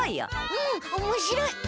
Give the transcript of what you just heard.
うんおもしろい。